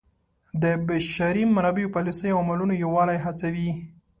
د بشري منابعو پالیسیو او عملونو یووالی هڅوي.